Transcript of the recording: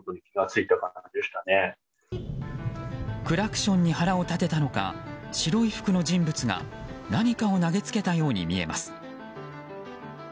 クラクションに腹を立てたのか白い服の人物が何かを投げつけたように見えます。